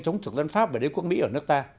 chống thực dân pháp và đế quốc mỹ ở nước ta